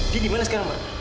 dia gimana sekarang ma